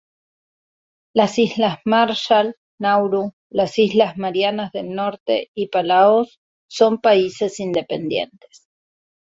Las Islas Marshall, Nauru, las Islas Marianas del Norte y Palaos son países independientes.